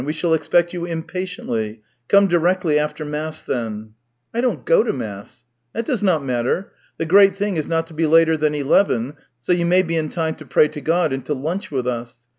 We shall expect you impatiently. Come directly after mass, then." " I don't go to mass." " That does not matter. The great thing is not to be later than eleven, so you may be in time to pray to God and to lunch with us.